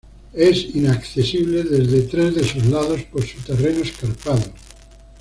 Es inaccesible desde tres de sus lados por su terreno escarpado.